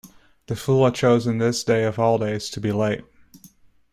The fool had chosen this day of all days to be late.